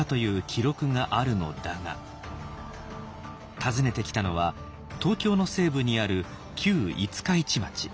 訪ねてきたのは東京の西部にある旧五日市町。